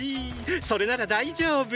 それなら大丈夫！